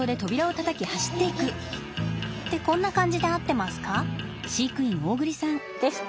ってこんな感じで合ってますか？